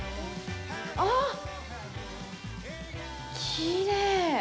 あっ、きれい。